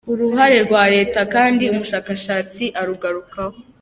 Uruhare rwa Leta kandi umushakashatsi arugarukaho.